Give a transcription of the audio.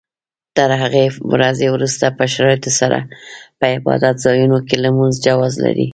تر هغې ورځې وروسته په شرایطو سره په عبادت ځایونو کې لمونځ جواز لري.